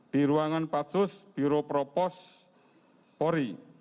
di ruangan patsus biro propos polri